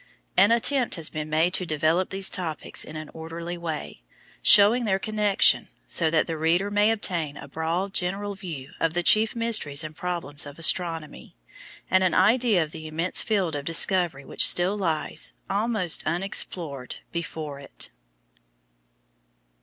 An attempt has been made to develop these topics in an orderly way, showing their connection, so that the reader may obtain a broad general view of the chief mysteries and problems of astronomy, and an idea of the immense field of discovery which still lies, almost unexplored, before it.